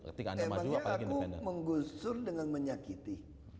emangnya aku menggusur dengan menyakiti